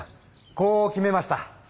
こう決めました。